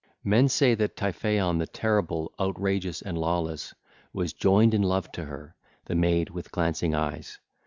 (ll. 306 332) Men say that Typhaon the terrible, outrageous and lawless, was joined in love to her, the maid with glancing eyes.